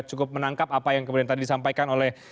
cukup menangkap apa yang kemudian tadi disampaikan oleh